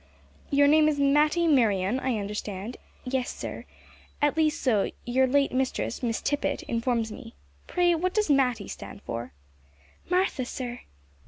"Your name is Matty Merryon, I understand (yes, sir), at least so your late mistress, Miss Tippet, informs me. Pray, what does Matty stand for?" "Martha, sir."